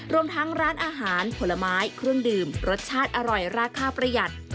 รวมทั้งร้านอาหารผลไม้เครื่องดื่มรสชาติอร่อยราคาประหยัด